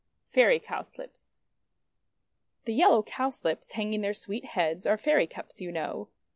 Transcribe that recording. FAIRY COWSLIPS Folklore THE yellow Cowslips, hanging their sweet heads, are Fairy Cups, you know.